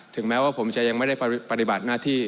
แม้ว่าผมจะยังไม่ได้ปฏิบัติหน้าที่